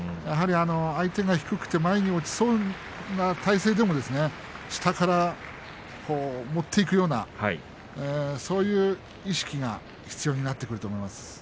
相手が低くて前に落ちそうな体勢でも下から持っていくようなそういう意識が必要になってくると思います。